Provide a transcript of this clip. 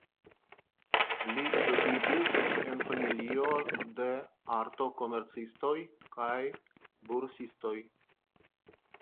Li edukiĝis en familio de artokomercistoj kaj bursistoj.